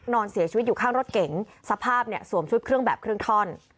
นอนเสียชีวิตอยู่ข้างรถเก๋งสภาพเนี่ยสวมชุดเครื่องแบบครึ่งท่อน